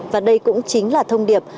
và đây cũng chính là thông điệp